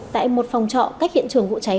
tại một phòng trọ cách hiện trường vụ cháy